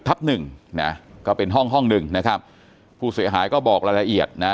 ทัพ๑นะก็เป็นห้องหนึ่งนะครับผู้เศรษฐหายก็บอกรายละเอียดนะ